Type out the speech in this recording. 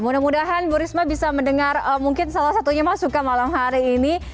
mudah mudahan bu risma bisa mendengar mungkin salah satunya mas suka malam hari ini